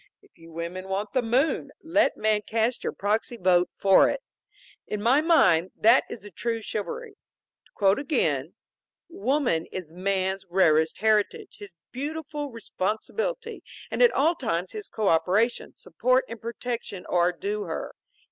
If you women want the moon, let man cast your proxy vote for it! In my mind, that is the true chivalry. To quote again, 'Woman is man's rarest heritage, his beautiful responsibility, and at all times his co operation, support and protection are due her.